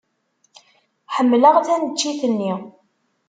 Ḥemmleɣ taneččit-nni.